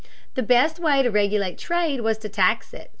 The best way to regulate trade was to tax it.